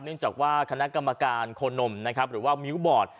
เนื่องจากว่าคณะกรรมการโคนมนะครับหรือว่ามิ้วบอร์ด